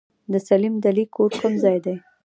د سليم دلې کور کوم ځای دی؟